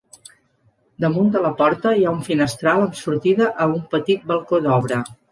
Damunt de la porta hi ha un finestral amb sortida a un petit balcó d’obra.